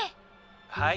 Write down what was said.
「はい。